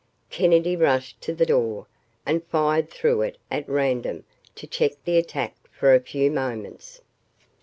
Kennedy rushed to the door and fired through it at random to check the attack for a few moments.